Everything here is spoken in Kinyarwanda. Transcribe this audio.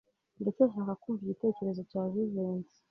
Ndacyashaka kumva igitekerezo cya Jivency.